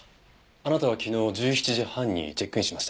あなたは昨日１７時半にチェックインしましたね？